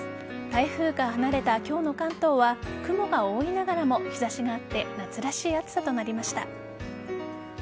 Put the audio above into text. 台風が離れた今日の関東は雲が多いながらも日差しがあって夏らしい暑さとなりました。